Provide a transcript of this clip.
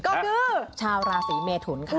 ก็คือชาวราศีเมทุนค่ะ